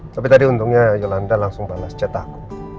tapi tadi untungnya yolanda langsung panas cetak